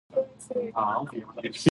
这首歌已经她的巅峰中文水平了